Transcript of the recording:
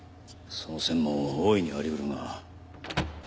その線も大いにあり得るが。